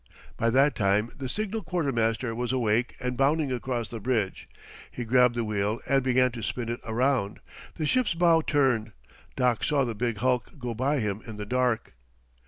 By that time the signal quartermaster was awake and bounding across the bridge. He grabbed the wheel and began to spin it around. The ship's bow turned. Doc saw the big hulk go by him in the dark.